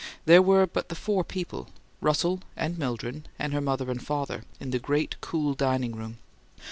There were but the four people, Russell and Mildred and her mother and father, in the great, cool dining room.